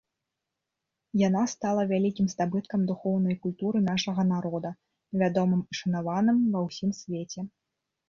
Яна стала вялікім здабыткам духоўнай культуры нашага народа, вядомым і шанаваным ва ўсім свеце.